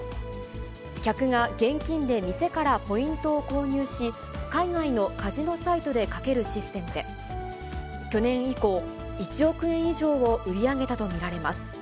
客が現金で店からポイントを購入し、海外のカジノサイトで賭けるシステムで、去年以降、１億円以上を売り上げたと見られます。